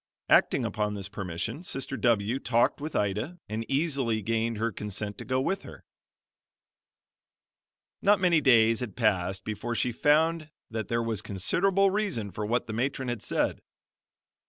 Acting upon this permission, Sister W talked with Ida and easily gained her consent to go with her. Not many days had passed before she found that there was considerable reason for what the matron had said.